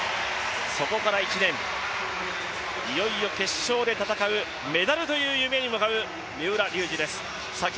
そこから１年、いよいよ決勝で戦うメダルという夢に向かう三浦龍司です。